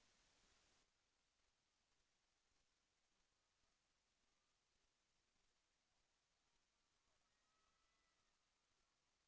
แสวได้ไงของเราก็เชียนนักอยู่ค่ะเป็นผู้ร่วมงานที่ดีมาก